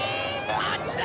あっちだ！